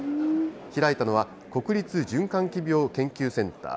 開いたのは国立循環器病研究センター。